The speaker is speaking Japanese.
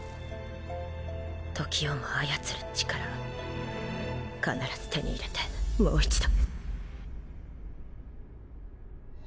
時をも操る力必ず手に入れてもう一度。